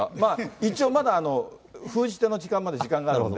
一応まだ封じ手の時間まで、時間があるんで。